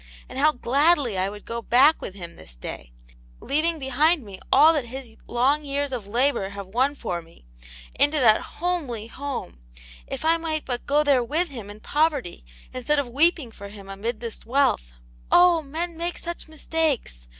And how gladly I would go back with him this day, leaving behind me all that his long years of labour have won for me, into that homely home, if I might but go there with him in poverty instead of weeping for him amid this wealth ! Oh! men make such mistakes!